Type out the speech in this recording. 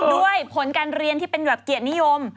ด้วยผลการเรียนที่เป็นแบบเกียรตินิยม